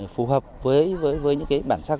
phù hợp với những bản sắc